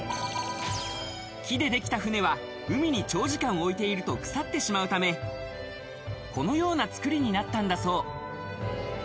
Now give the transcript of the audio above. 木でできた船は、海に長時間置いていると腐ってしまうため、このようなつくりになったんだそう。